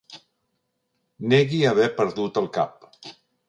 Negui haver perdut el cap.